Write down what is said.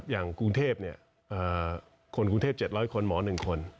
อย่างกรุงเทพคนกรุงเทพ๗๐๐คนหมอ๑คน